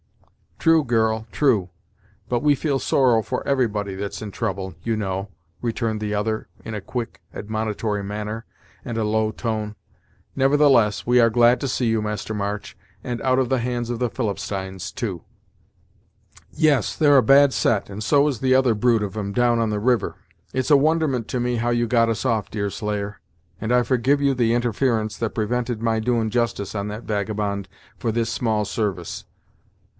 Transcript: "True, girl, true; but we feel sorrow for everybody that's in trouble, you know," returned the other in a quick, admonitory manner and a low tone. "Nevertheless, we are glad to see you, Master March, and out of the hands of the Philipsteins, too." "Yes, they're a bad set, and so is the other brood of 'em, down on the river. It's a wonderment to me how you got us off, Deerslayer; and I forgive you the interference that prevented my doin' justice on that vagabond, for this small service.